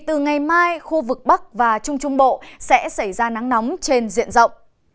từ ngày mai khu vực bắc và trung trung bộ sẽ xảy ra nắng nóng trên diện rộng